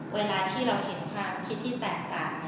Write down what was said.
เวลาที่เราเห็นความคิดที่แตกต่าง